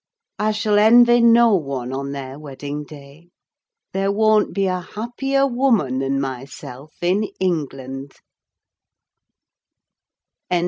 I shall envy no one on their wedding day: there won't be a happier woman than myself in England!